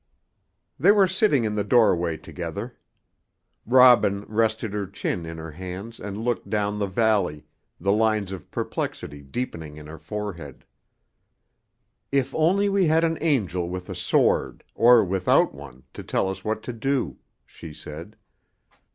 They were sitting in the doorway together. Robin rested her chin in her hands and looked down the valley, the lines of perplexity deepening in her forehead. "If only we had an angel with a sword, or without one, to tell us what to do," she said.